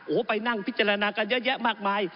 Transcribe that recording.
โอ้โหไปนั่งพิจารณากันเยอะแยะมากมาย